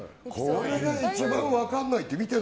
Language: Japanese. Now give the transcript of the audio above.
これが一番分からないって。